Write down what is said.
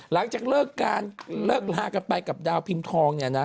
หลังจากเลิกการเลิกลากันไปกับดาวพิมพ์ทองเนี่ยนะ